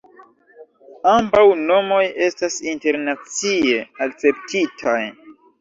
Ambaŭ nomoj estas internacie akceptitaj.